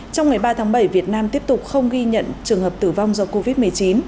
trong ngày ba tháng bảy việt nam tiếp tục không ghi nhận trường hợp tử vong do covid một mươi chín